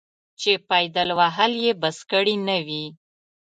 چې پایدل وهل یې بس کړي نه وي.